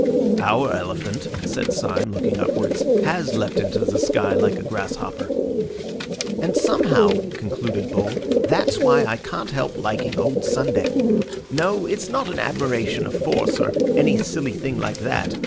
"Our elephant," said Syme, looking upwards, "has leapt into the sky like a grasshopper." "And somehow," concluded Bull, "that's why I can't help liking old Sunday. No, it's not an admiration of force, or any silly thing like that.